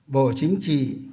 bộ chính trị